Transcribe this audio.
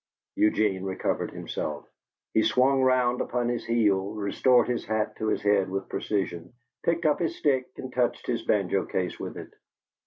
Eugene recovered himself. He swung round upon his heel, restored his hat to his head with precision, picked up his stick and touched his banjo case with it.